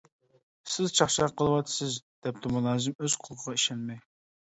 -سىز چاقچاق قىلىۋاتىسىز، دەپتۇ مۇلازىم ئۆز قۇلىقىغا ئىشەنمەي.